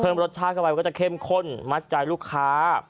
เพิ่มรสชาติกันไว้ก็จะเข้มข้นมัดใจลูกค้า